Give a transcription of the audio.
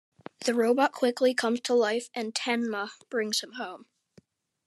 The robot quickly comes to life, and Tenma brings him home.